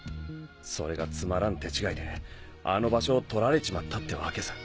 それがつまらん手違いであの場所を取られちまったってわけさ。